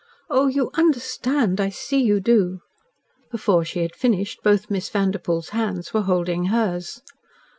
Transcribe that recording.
Oh! You UNDERSTAND! I see you do." Before she had finished both Miss Vanderpoel's hands were holding hers.